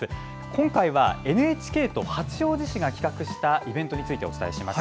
今回はＮＨＫと八王子市が企画したイベントについてお伝えします。